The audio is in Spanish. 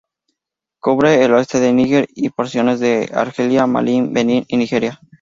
Cubre el oeste de Níger y porciones de Argelia, Mali, Benin y Nigeria.